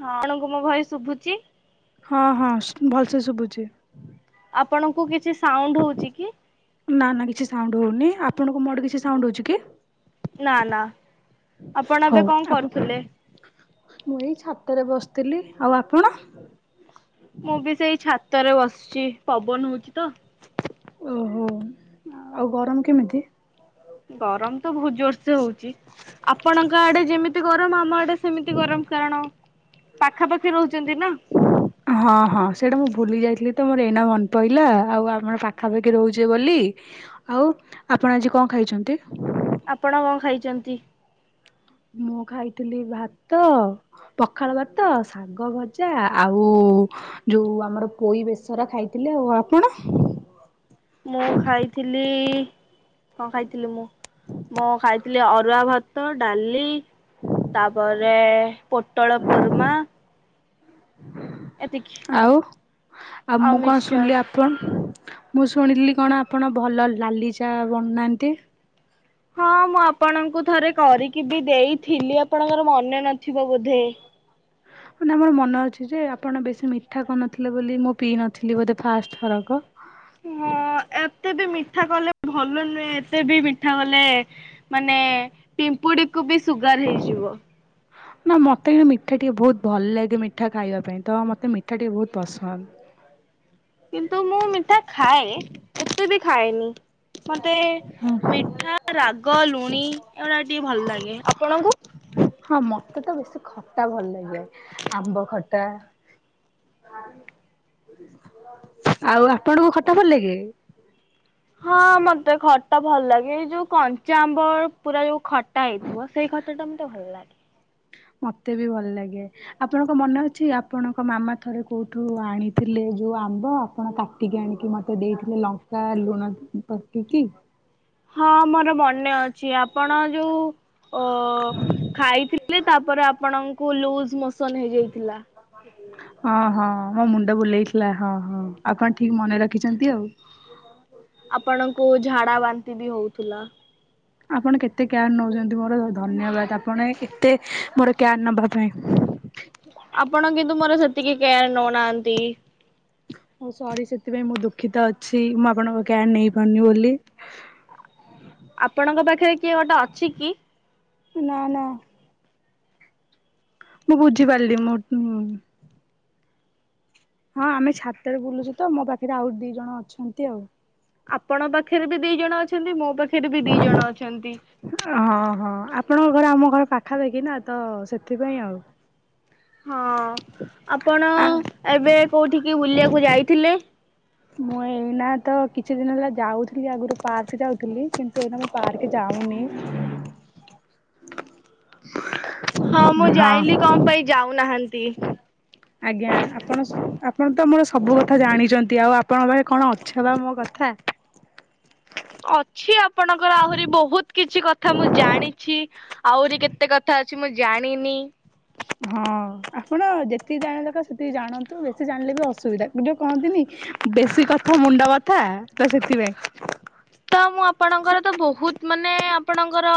ହଁ ଆପଣଙ୍କୁ ମୋ ଭଏସ ଶୁଭୁଚି? ହଁ ହଁ ଶୁଭିଲା। ଶୁଭୁଛି। ଛି କି। ନା ନା କିଛି ସାଉଣ୍ଡ ହଉନି ଆପଣଙ୍କୁ ମୋର କିଛି ସାଉଣ୍ଡ ହଉଛି କି? ନା ନା ଆପଣ ଏବେ ହଉ କଣ ଆପଣ କରୁଥିଲେ? ଥିଲି ଆଉ ଆପଣ। ମୁଁ ବି ସେଇ ଛାତରେ ବସିଛି ପବନ ହଉଛି ତ। ଓହୋ ଆଉ ଗରମ କେମିତି? ଗରମ ତ ବହୁତ ଜୋର ସେ ହଉଛି ଆପଣଙ୍କ ଆଡେ ଯେମିତି ଗରମ ଆମ ଆଡେ ସେମିତି ଗରମ କାରଣ ପାଖା ପାଖି ରହୁଛନ୍ତି ନା। ତମର ଏଇନା ମନେ ପଇଲା ଆଉ ଆମର ପାଖାପାଖି ରହୁଛେ ବୋଲି ଆଉ ଆପଣ ଆଜି କଣ ଖାଇଛନ୍ତି? ଆପଣ କଣ ଖାଇଛନ୍ତି? ମୁଁ ଖାଇଥିଲି ଭାତ ପଖାଳ ଭାତ ଶାଗ ଭଜା ଆଉ ଯୋଉ ଆମର ପୋଇ ବେସର ଖାଇଥିଲି ଆଉ ଆପଣ। ମୁଁ ଖାଇଥିଲି କଣ ଖାଇଥିଲି ମୁଁ? ମୁଁ ଖାଇଥିଲି ଅରୁଆ ଭାତ ଡାଲି। ଏଇ ତାପରେ ପୋଟଳ କୋର୍ମା। ଏତିକି ଆଉ ଆଉ ମୁଁ କଣ ଶୁଣିଲି ଆପଣ ମୁଁ ଶୁଣିଲି କଣ ଆପଣ ଭଲ ନାଲି ଚା ବନାନ୍ତି? ହଁ ମୁଁ ଆପଣଙ୍କୁ ଥରେ କରିକି ବି ଦେଇଥିଲି ଆପଣଙ୍କର ମନେ ନଥିବ ବୋଧେ। ହଁ ମାନେ ଆମର ମନେ ଅଛି। ଯେ ଆପଣ ବେଶୀ ମିଠା କରିନଥିଲେ ବୋଲି ମୁଁ ପିଇ ନଥିଲି ବୋଧେ ଫାଷ୍ଟ ଥରକ। ହଁ ଏତେ ବି ମି ଠା କଲେ ଭଲ ନୁହେଁ ଏତେ ବି ମିଠା କଲେ। ମାନେ ପିମ୍ପୁଡି କୁ ବି ସୁଗର ହେଇଯିବ। ନା ମତେ ମିଠା ଟିକେ ବହୁତ ଭଲ ଲାଗେ ମିଠା ଖାଇବା ପାଇଁ ତ ମତେ ମିଠା ଟିକେ ବହୁତ ପସନ୍ଦ। କିନ୍ତୁ ମୁଁ ମିଠା ଖାଏ ଏତେ ବି ଖାଏନି। ମତେ ହଁ। ମିଠା ରାଗ ଲୁଣି ଏଗୁଡା ଟିକେ ଭଲ ଲାଗେ ଆପଣଙ୍କୁ। ହଁ ମତେ ତ ବେଶୀ ଖଟା ଭଲ ଲାଗେ ଆମ୍ବ ଖଟା ଆଉ ଆପଣଙ୍କୁ ଖଟା ଭଲ ଲାଗେ? ହଁ ମତେ ଖଟା ଭଲ ଲାଗେ ଏଇ ଯୋଉ କଞ୍ଚା ଆମ୍ବର ପୁରା ଯୋଉ ଖଟା ହେଇଥିବ ସେଇ ଖଟା ଟା ମତେ ଭଲ ଲାଗେ। ମତେ ବି ଭଲ ଲାଗେ ଆପଣଙ୍କ ମନେ ଅଛି ଆପଣଙ୍କ ମାମା ଥରେ କୋଉଠୁ ଆଣିଥିଲେ ଯୋଉ ଆମ୍ବ ଆପଣ କାଟିକି ଆଣିକି ମତେ ଦେଇଥିଲେ ଲଙ୍କା ଲୁଣ ପକେଇକି। ହଁ ମୋର ମନେ ଅଛି ଆପଣ ଯୋଉ ଅ ଖାଇଥିଲେ ତାପରେ ଆପଣଙ୍କୁ ଲୁଜ ମୋସନ ହେଇଯାଇଥିଲା। ହଁ ହଁ ମୋ ମୁଣ୍ଡ ବୁଲେଇଥିଲା ହଁ ହଁ ଆପଣ ଠିକ ମନେ ରଖିଛନ୍ତି ଆଉ। ଆପଣଙ୍କୁ ଝାଡା ବାନ୍ତି ବି ହଉଥିଲା। ଆପଣ କେତେ କେୟାର ନଉଛନ୍ତି ମୋର ଧନ୍ୟବାଦ ଆପଣ କେତେ ମୋର କେୟାର ନବା ପାଇଁ। ଆପଣ କିନ୍ତୁ ମୋର ସେତିକି। କେୟାର ନଉନାହାନ୍ତି। ହଁ ସରି ସେଥିପାଇଁ ମୁଁ ଦୁଃଖିତ ଅଛି ମୁଁ ଆପଣଙ୍କ କେୟାର ନେଇ ପାରୁନି ବୋଲି। ଆପଣଙ୍କ ପାଖରେ କିଏ ଗୋଟେ ଅଛି କି? ନା ନା, ମୁଁ ବୁଝି ପାରିଲି ମୁଁ, ହଁ ଆମେ ଛାତରେ ବୁଲୁଛୁ ତ ମୋ ପାଖରେ ଆଉ ଦି ଜଣ ଅଛନ୍ତି ଆଉ। ଆପଣ ପାଖରେ ବି ଦି ଜଣ ଅଛନ୍ତି ମୋ ପାଖେ ସେ ଏବେବି ଦି ଜଣ ଅଛନ୍ତି। ହଁ ହଁ ଆପଣଙ୍କ ଘର ଆମ ଘର ପାଖା ପାଖୀ ନା, ତ ସେଥିପାଇଁ ଆଉ। ହଁ, ଆପଣ ଆ ଏବେ କୋଉଠିକି ବୁଲିବାକୁ ଯାଇଥିଲେ? ମୁଁ ଏଇନା ତ କିଛି ଦିନ ହେଲା ଯାଉଥିଲି ଆଗରୁ ପାର୍କ ଯାଉଥିଲି କିନ୍ତୁ ଏଇନା ମୁଁ ପାର୍କ ଯାଉନି। ହଁ, ମୁଁ ଯାଇଲି କଣ ପାଇଁ ଯାଉନାହାନ୍ତି। [unintelligible] ଆଜ୍ଞା ଆପଣ ଆପଣ ତ ମୋର ସବୁ କଥା ଜାଣିଛନ୍ତି ଆଉ ଆପଣଙ୍କ ପାଖରେ କଣ ଅଛ ବା ମୋ କଥା। ଅଛି ଆ ଆପଣଙ୍କର ଆହୁରି ବହୁତ କିଛି କଥା ମୁଁ ଜାଣିଛି ଆହୁରି କେତେ କଥା କିଛି ମୁଁ ଜାଣିନି। ହଁ ଆପଣ ଯେତିକି ଜାଣିବା କଥା ସେତିକି ଜାଣନ୍ତୁ ବେଶୀ ଜାଣିଲେ ବି ଅସୁବିଧା ଯୋଉ କହନ୍ତିନି ବେଶୀ କଥା ମୁଣ୍ଡ ବଥା ତ ସେଥିପାଇଁ। ତ ମୁଁ ଆପଣଙ୍କର ତ ବହୁତ ମାନେ ଆପଣଙ୍କର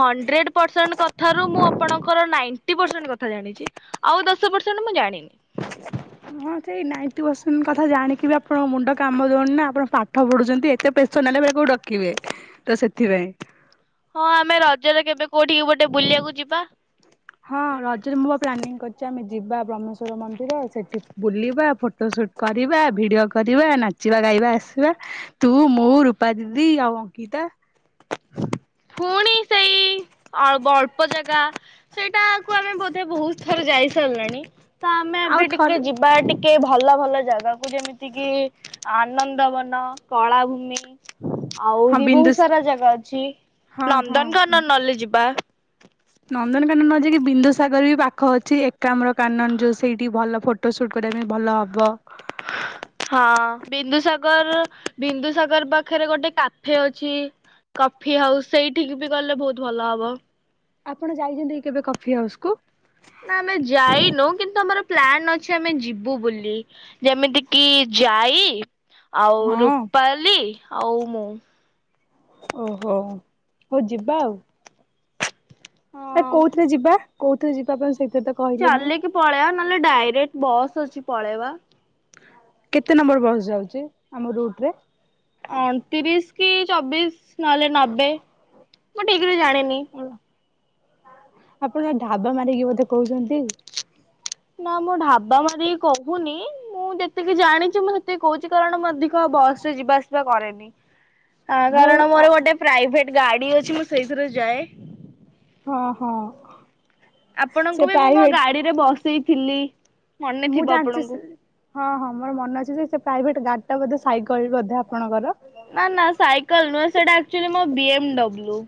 ହଣ୍ଡ୍ରେଡ ପରସେଣ୍ଟ କଥାରୁ ମୁଁ ଆପଣଙ୍କର ନାଇ ଦିପର୍ସେଣ୍ଟ କଥା ଜାଣିଛି ଆଉ ଦଶ ପର୍ସେଣ୍ଟ ମୁଁ ଜାଣିି ହଁ ସେଇ ନାଇଣ୍ଟି ପର୍ସେଣ୍ଟ୍ କଥା ଜାଣିକି ବି ଆପଣଙ୍କ ମୁଣ୍ଡ କାମ ଦଉନ ନା ଆପଣ ପାଠ ପଢୁଛନ୍ତି ଏତେ ପ୍ରେସର ନେଲେ କୋଉଠି ରଖିବେ ତ ସେଥିପାଇଁ। ହଁ ଆମେ ରଜରେ କେବେ କୋଉଠିକି ଗୋଟେ ବୁଲିବାକୁ ଯିବା। ହଁ ରଜରେ ମୁଁ ପା ପ୍ଲାନିଂ କରିଛି ଆମେ ଯିବା ବ୍ରହ୍ମେଶ୍ଵର ମନ୍ଦିର ସେଠି ବୁଲିବା, ଫଟୋ ସୁଟ କରିବା, ଭିଡିଓ କରିବା, ନାଚିବା ଗାଇବା, ଆସିବା ତୁ ମୁଁ, ରୂପା ଦିଦି ଆଉ ଅଙ୍କିତା। ପୁଣି ସେଇ ଅଳ୍ପ ଅଳ୍ପ ଜାଗା ସେଇଟାକୁ ଆମେ ବୋଧେ ବହୁତ ଥର ଯାଇ ସାରିଲାଣି। ତ ଆମେ ଆଉ ଏବେ ଟିକେ ଥରେ ଯିବା ଟିକେ ଭଲ ଭଲ ଜାଗାକୁ ଯେମିତି କିି ଆନନ୍ଦବନ, କଳାଭୂମି। ହଁ ଆହୁରି ବିନ୍ଦୁ ବହୁତ ସାରା ଜାଗା ଅଛି। ହଁ ହଁ ନନ୍ଦନକାନନ୍ ନହଲେ ଯିବା। ଆ। ନନ୍ଦନକାନନ ନ ଯାଇକି ବିନ୍ଦୁସାଗର ବି ପାଖ ଅଛି ଏକାମ୍ରକାନନ ଯୋଉ ସେଇଠି ଭଲ ଫଟୋ ସୁଟ କରିବା ପାଇଁ ଭଲ ହବ। ହଁ ବିନ୍ଦୁସାଗର ବିନ୍ଦୁସାଗର ପାଖରେ ଗୋଟେ କାଫେ ଅଛି କଫି ହାଉସ ସେଇଠିକି ବି ଗଲେ ବହୁତ ଭଲ ହବ। ଆପଣ ଯାଇଛନ୍ତି କି କେବେ କଫି ହାଉସ୍ କୁ? ନା ଆମେ ଯାଇନୁ କିନ୍ତୁ ଆମର ପ୍ଲାନ ଅଛି ଆମେ ଯିବୁ ବୋଲି ଯେମିତି କିି ଯାଇ ଆଉ ହଁ ରୁପାଲି ହଉ ମୁଁ। ଓହୋ ହଉ ଯିବା ଆଉ। ଆ ହଁ କୋଉଥିରେ ଯିବା। କୋଉଥିରେ ଯିବା ପାଇଁ ସେ ଚାଲିକି ପଳଆ ନହେଲେ ଡାଇରେକ୍ଟ ବସ୍ ଅଛି ପଳେଇବା। କେତେ ନମ୍ବର ବସ୍ ଯାଉଛି ଆମ ରୁଟରେ। ଅଣତିରିଶ କି ଚବିଶ ନହେଲେ ନବେ ମୁଁ ଟିକ ଜାଣ ନିି ଆପଣ ଢାବା ମାରିକି ବୋଧେ କହୁଛନ୍ତି? ନା ମୁଁ ଢାବା ମାରିକି କହୁନି ମୁଁ ଯେତିକି ଜାଣିଛି ମୁଁ ସେତିକି କହୁଛି। କାରଣ ମୁଁ ଅଧିକ ଆଉ ବସ ରେ ଯିବା ଆସିବା କରେନି। ହଉ କାରଣ ମୋର ଗୋଟେ ପ୍ରାଇଭେଟ ଗାଡି ଅଛି ମୁଁ ସେଇଥିରେ ଯାଏ। ହଁ ହଁ। ସେ ଆପଣଙ୍କୁ ବି ମୁଁ ମୋ ପ୍ରାଇଭେଟ ଗାଡିରେ ବସେଇ ଥିଲି। ମୁଁ ଜାଣିଛି ହଁ ହଁ ମୋର ମନ ଅଛି ଯେ ସେ ପ୍ରାଇଭେଟ୍ ଗାଡି ଟା ବୋଧେ ସାଇକଲ ବୋଧେ ଆପଣଙ୍କର ନା ନା ସାଇକେଲ ନୁହଁ ସେଇଟ ଆଚ୍ୟୁଲି ବିଏମଡବ୍ଲୁ।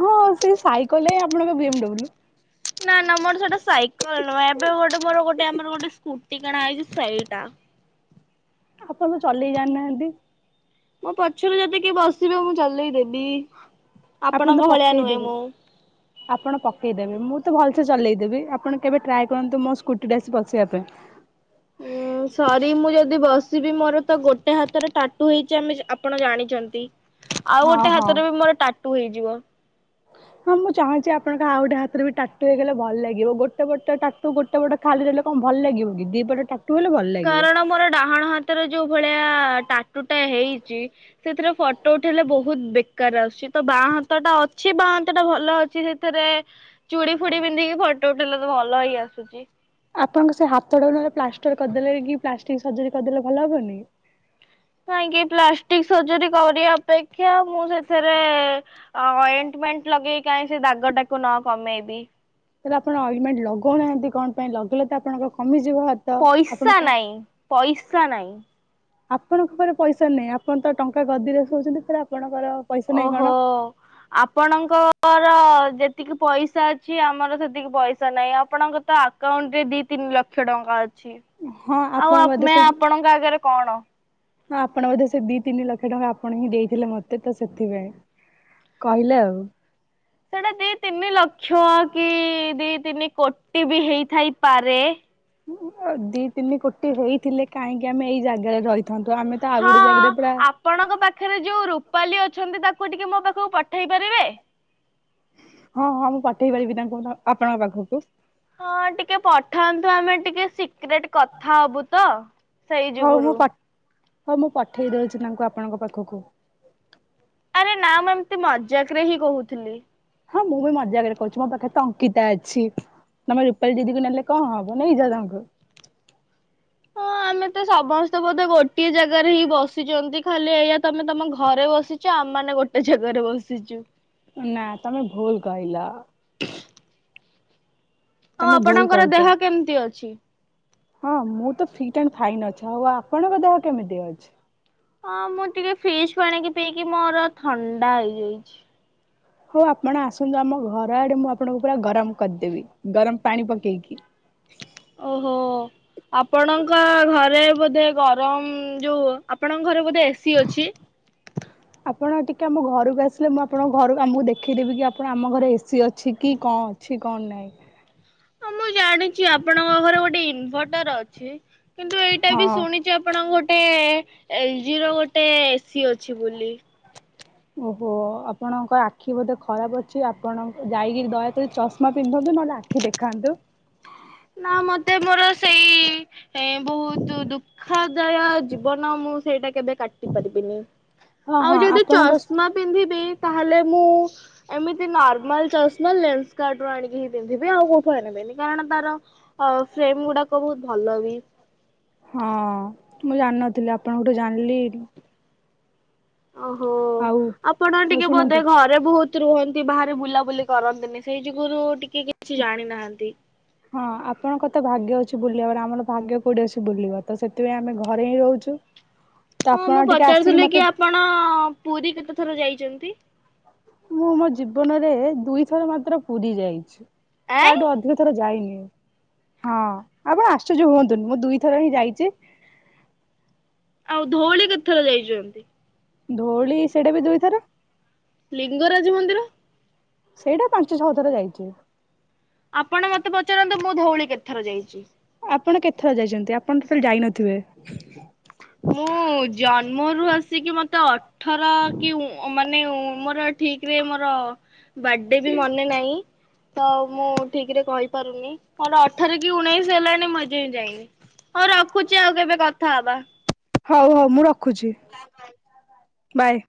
ହଁ ସେ ସାଇକେଲ ହଁ ଆପଣଙ୍କ ବିଏମଡ଼ବ୍ଲୁ। ନା ନା ମୋର ସେଟା ସାଇକେଲ ନୁହେଁ ଏବେ ଗୋଟେ ଆମର ଗୋଟେ ଆମର ଗୋଟେ ସ୍କୁଟି କିଣା ହେଇଛି ସେଇଟା। ଆପଣ ତ ଚଲେଇ ଜାଣିନାହାନ୍ତି। ମୋ ପଛରେ ଯଦି କିଏ ବସିବେ ମୁଁ ଚଲେଇ ଦେବି। ଆପଣ ତ ଆପଣଙ୍କ ଭଳିଆ ନୁହେଁ ପକେଇଦେବେ ମୁଁ। ଆପଣ ପକେଇଦେବେ ମୁଁ ତ ଭଲସ ଚଲେଇ ଦେବି ଆପଣ କେବେ ଟ୍ରାଏ କରନ୍ତୁ ମୋ ସ୍କୁଟି ରେ ଆସି ବସିବା ପାଇଁ। ଉଁ ସରି ମୁଁ ଯଦି ବସିବି ମୋର ତ ଗୋଟେ ହାତରେ ଟାଟୁ ହେଇଛି ଆମେ ଆପଣ ଜାଣିଛନ୍ତି। ଆଉ ହଁ ଗୋଟେ ହଁ ହାତରେ ବି ମୋର ଟାଟୁ ହେଇ ଯିବ। ହଁ ମୁଁ ଚାହୁଁଛି ଆପଣଙ୍କ ଆଉ ଗୋଟେ ହାତରେ ବି ଟାଟୁ ହେଇଗଲେ ଭଲ ଲାଗିବ ଗୋଟେ ପଟ ଟାଟୁ ଗୋଟେ ପଟ ଖାଲି ରହିଲେ କଣ ଭଲ ଲାଗିବ କି ଦି ପଟ ଟାଟୁ ହେଲେ ଭଲ ଲାଗିବ। କାରଣ ମୋର ଡାହାଣ ହାତର ଯୋଉ ଭଳିଆ ଟାଟୁଟା ହେଇଛି ସେଥିରେ ଫଟୋ ଉଠେଇଲେ ବହୁତ ବେକାର ଆସୁଛି ତ ବାଁ ହାତ ଟା ଅଛି ବାଁ ହାତ ଟା ଭଲ ଅଛି ସେଥିରେ ଚୁଡି ଫୁଡି ପିନ୍ଧିକି ଫଟୋ ଉଠେଇଲେ ତ ଭଲ ହେଇ ଆସୁଛି। ଆପଣଙ୍କ ସେ ହାତଟାଲେ ପ୍ଲାଷ୍ଟର କରିଦେଲେ କି ପ୍ଲାଷ୍ଟିକି ସର୍ଜରୀ କରିଦେଲେ ଭଲ ହବନି? କାଇହିଁକି ପ୍ଲାଷ୍ଟିକ ସର୍ଜରୀ କରିବା ଅପେକ୍ଷା ମୁଁ ସେଥିରେ ଅଏଣ୍ଟମେଣ୍ଟ ଲଗେଇକି କାହିଁ ସେ ଦାଗଟାକୁ ନ କମେଇବି। ତାହଲେ ଆପଣ ଅଗମେଣ୍ଟ ଲଗଉନାହାନ୍ତି କଣ ପାଇଁ ଲଗେଇଲେ ତ ଆପଣଙ୍କ କମି ପଇସା ନାଇଁ ପଇସା ନାଇଁ। ଆପଣଙ୍କ ଉପରେ ପଇସା ନାହିଁ ଆପଣ ତ ଟଙ୍କା ଗଦିରେ ଶୋଉଛନ୍ତିରେ ଆପଣ ଓହୋ ଆପଣଙ୍କର ଯେତିକି ପଇସା ଅଛି। ଆମର ସେତିକି ପଇସା ନାହିଁ, ଆପଣଙ୍କ ତ ଆକାଉଣ୍ଟ ରେ ଦି ତିନି ଲକ୍ଷ ଟଙ୍କା ଅଛି। ହଁ ଆପଣ ଆଉ ଆମେ ଆପଣଙ୍କ ଆଗରେ କଣ? ହ ଆପଣ ବୋଧ ସେ ଦି ତିନି ଲକ୍ଷ ଟଙ୍କା ଆପଣ ହିଁ ଦେଇଥିଲେ ମତେ ତ ସେଥିପାଇଁ [inaudible] କହିଲେ ଆଉ। ସେଇଟା ଦି ତିନି ଲକ୍ଷ କି ଦି ତିନି କୋଟି ବି ହେଇଥାଇପାରେ। ଦି ତିନି କୋଟି ହେଇଥିଲେ, କାହିଁକି ଆମେ ଏଇ ଜାଗାରେ ରହି ହଁ ଆପଣଙ୍କ ପାଖରେ ଯୋଉ ରୂପାଲି ଅ ଅଛନ୍ତି, ତାକୁ ଟିକେ ମୋ ପାଖକୁ ପଠେଇ ପାରିବେ? ହଁ ହଁ ମୁଁ ପଠେଇ ପାରିବି ତାଙ୍କୁ ଆପଣଙ୍କ ପାଖକୁ। ହଁ ଟିକେ ପଠାନ୍ତୁ, ଆମେ ଟିକେ ସିକ୍ରେଟ୍ କଥା ହବୁ ତ ସେଇ ଯୁଗୁରୁ। ହଁ ମୁଁ ପଠେଇ ଦଉଚି, ତାଙ୍କୁ ଆପଣଙ୍କ ପାଖକୁ। ଆରେ ନା ମୁଁ ଏମତି ମଜାକ୍ ରେ ହିଁ କହୁଥିଲି। ହଁ ମୁଁ ବି ମଜା ଆଗରେ କହୁଚି, ମୋ ପାଖରେ ତ ଅଙ୍କିତା ଅଛି। ତମେ ରୂପାଲୀ ଦିଦିକୁ ନେଲେ କଣ ହବ ନେଇଯାଅ ତାଙ୍କୁ। ହଁ ଆମେ ତ ସମସ୍ତେ ବୋଧେ ଗୋଟିେ ଜାଗାରେ ହିଁ ବସିଚନ୍ତି, ଖାଲି ଏଇଆ ତମେ ତମ ଘରେ ବସିଚ ଆମ ମାନ ଗୋଟେ ଜାଗାରେ ବସିଚୁ। ନା ତମେ ଭୁଲ୍ କହିଲ। ଆଉ ତମେ ଭୁଲ ଆପଣଙ୍କର କହୁଛ ଦେହ କେମିତି ଅଛି? ହଁ ମୁଁ ତ ଫିଟ୍ ଆଣ୍ଡ ଫାଇନ୍ ଅଛି, ଆଉ ଆପଣଙ୍କ ଦେହ କେମିତି ଅଛି? ହଁ ମୁଁ ଟିକେ ଫ୍ରିଜ ପାଣିକି ପିଇକି ମୋର ଥଣ୍ଡା ହେଇଯାଇଚି। ହୋଉ ଆପଣ ଆସନ୍ତୁ, ଆମ ଘର ଆଡେ ମୁଁ ଆପଣଙ୍କୁ ପୁରା ଗରମ କରିଦେବି ଗରମ ପାଣି ପକେଇକି। ଓହୋ ଆପଣଙ୍କ ଘରେ ବୋଧେ ଗରମ, ଯୋଉ ଆପଣଙ୍କ ଘରେ ବୋଧେ ଏ ସି ଅଛି। [inaudible] ଆପଣ ଟିକେ ଆମ ଘରକୁ ଆସିଲେ। ମୁଁ ଆପଣଙ୍କୁ ଘରକୁ ଆଉ ମୁଁ ଦେଖେଇଦେବି କି ଆପଣ ଆମ ଘରେ ଏ ସି ଅଛି, କି କଣ ଅଛି କଣ ନାଇଁ। ହଁ ମୁଁ ଜାଣିଚି ଆପଣଙ୍କ ଘରେ ଗୋଟେ ଇନଭଟର ଅଛି। କିନ୍ତୁ ଏଇଟା ବି ହଁ ଶୁଣିଚି ଆପଣଙ୍କୋଟେ ଟେ ଏଲ ଜି ର ଗୋଟେ। ସି ଅଛି ବୋଲି। ଓହୋ ଆପଣଙ୍କ ଆଖି ବୋଧେ ଖରାପ ଅଛି ଆପଣଙ୍କ ଯାଇକି ଦୟାକରି ଚଷମା ପିନ୍ଧ ନ୍ତୁ ନହେଲେ ଆଖି ଦେଖାନ୍ତୁ। ନା ମତେ ମୋର ସେଇ ଏ ବହୁତ ଦୁଃଖଦାୟ ଜୀବନ ମୁଁ ସେଇଟା କେବେ କାଟି ପାରିବିନି। ହଁ ଆଉ ହଁ ଯଦି ଆପଣଙ୍କ ଚଷମା ପିନ୍ଧିବି ତାହେଲେ ମୁଁ ଏମିତି ନର୍ମାଲ ଚଷମା ଲେନ୍ସ କାର୍ଟ ରୁ ଆଣିକି ହିଁ ପିନ୍ଧିବି। ଆଉ କୋଉଠୁ ଆଣିବିନି କାରଣ ତାର ଆଉ ଫ୍ରେମ ଗୁଡାକ ବହୁତ ଭଲ ବି। ହଁ ମୁଁ ଜାଣିନଥିଲି ଆପଣଙ୍କଠୁ ଜାଣିଲି। ଓହୋ ଆଉ ଆପଣ ହଉ ଟିକେ ବୋଧେ ଶୁଣନ୍ତୁ ଘରେ ବହୁତ୍ ରୁହନ୍ତି ବାହାରେ ବୁଲାବୁଲି କରନ୍ତିନି। ସେଇ ଯୁଗୁରୁ ଟିକେ କିଛି ଜାଣିନାହାନ୍ତି। ହଁ ଆପଣଙ୍କ ତ ଭାଗ୍ୟ ଅଛି ବୁଲିବାର ଆମର ଭାଗ୍ୟ କୋଉଠି ଅଛି ବୁଲିବ ତ ସେଥିପାଇଁ ଆମେ ଘରେ ହିଁ ରହୁଛୁ। ତ ହଁ ଆପଣ ମୁଁ ଟିକେ ଆସିକି ପଚାରୁଥିଲି କି ମତେ ଆପଣ ପୁରୀ କେତେ ଥର ଯାଇଚନ୍ତି। ମୁଁ ମୋ ଜୀବନରେ ଦୁଇଥର ମାତ୍ର ପୁରୀ ଯାଇଛି। ଆଁ ତାଠୁ ଅଧିକ ଥର ଯାଇନି। ହଁ ଆପଣ ଆଶ୍ଚର୍ଯ୍ୟ ହୁଅନ୍ତୁନି। ମୁଁ ଦୁଇଥର ହିଁ ଯାଇଛି। ଆଉ ଧଉଳି କେତ ଥର ଯାଇଛନ୍ତି? ଧଉଳି ସେଟା ବି ଦୁଇଥର। ଲିଙ୍ଗରାଜ ମନ୍ଦିର। ସେଇଟା ପାଞ୍ଚ ଛଅ ଥର ଯାଇଛି। ଆପଣ ମତେ ପଚାରନ୍ତୁ ମୁଁ ଧଉଳି କେତେଥର ଯାଇଛି? ଆପଣ କେତେଥର ଯାଇଛନ୍ତି? ଆପଣ ଟୋଟାଲି ଯାଇନଥିବେ। ମୁଁ ଜନ୍ମରୁ ଆସିକି ମତେ ଅଠର କି ଉଁ ମାନେ ଉଁ ମୋର ଠିକ ରେ ମୋର ବାଡେ ବି ମନେ ନାହିଁ ତ ମୁଁ ଠିକ ରେ କହିପାରୁନି ମର ଅଠର କି ଉଣେଇଶି ହେଲାଣି ମୁଁ ଏଯାଏ ଯାଇନି। ହଉ ରଖୁଛି ଆଉ କେବେ କଥା ହବା। ହଉ ହଉ ମୁଁ ରଖୁ ଖୁଛି। ବାଏ।